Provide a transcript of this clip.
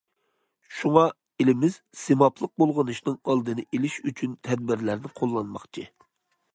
شۇڭا، ئېلىمىز سىمابلىق بۇلغىنىشنىڭ ئالدىنى ئېلىش ئۈچۈن تەدبىرلەرنى قوللانماقچى.